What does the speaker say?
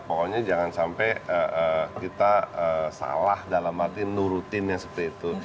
pokoknya jangan sampai kita salah dalam arti nurutin yang seperti itu